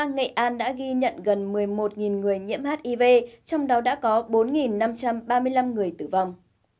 nghệ an đã ghi nhận gần một mươi một người nhiễm hiv trong đó đã có bốn năm trăm ba mươi năm người tử vong